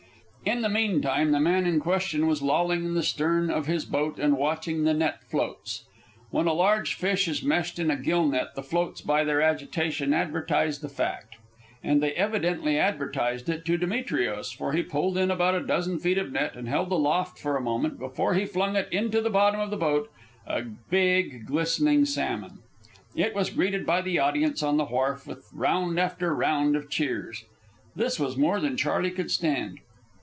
In the meantime, the man in question was lolling in the stern of his boat and watching the net floats. When a large fish is meshed in a gill net, the floats by their agitation advertise the fact. And they evidently advertised it to Demetrios, for he pulled in about a dozen feet of net, and held aloft for a moment, before he flung it into the bottom of the boat, a big, glistening salmon. It was greeted by the audience on the wharf with round after round of cheers. This was more than Charley could stand.